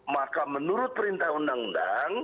maka menurut perintah undang undang